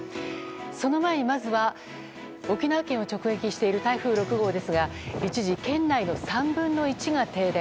その前に、まずは沖縄県を直撃している、台風６号ですが一時県内の３分の１が停電。